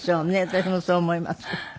私もそう思います。